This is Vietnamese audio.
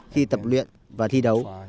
khi tập luyện và thi đấu